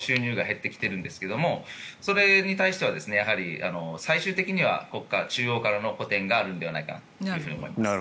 ただし、実際にかなり不動産関連の収入が減ってきているんですがそれに対しては最終的には国家、中央からの補てんがあるのではないかと思います。